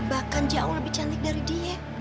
bahkan jauh lebih cantik dari die